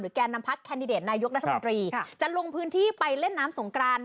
หรือแก่นำพลาดแคนนิเดรตนายุคนาธิมตรีครับครับจะลงพื้นที่ไปเล่นน้ำสงคราน